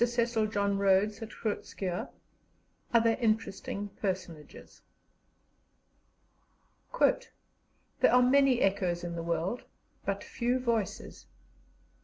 CECIL RHODES AT GROOT SCHUURR OTHER INTERESTING PERSONAGES "There are many echoes in the world, but few voices."